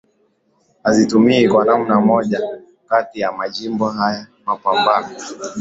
hazitumiwi kwa namna moja kati ya majimbo haya mapambano